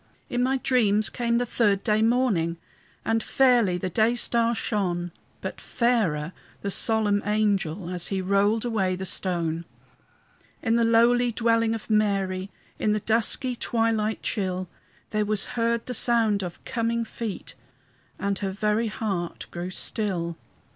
........ In my dreams came the third day morning, And fairly the day star shone; But fairer, the solemn angel, As he rolled away the stone. In the lowly dwelling of Mary, In the dusky twilight chill, There was heard the sound of coming feet, And her very heart grew still.